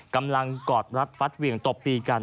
กอดรัดฟัดเหวี่ยงตบตีกัน